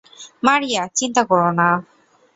মারিয়া, চিন্তা করো না।